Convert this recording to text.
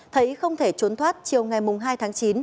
thấy không thể trốn thoát chiều ngày hai tháng chín